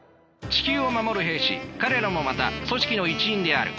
地球を守る兵士彼らもまた組織の一員である。